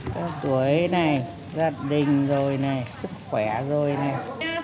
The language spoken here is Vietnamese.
cái tuổi này gia đình rồi này sức khỏe rồi này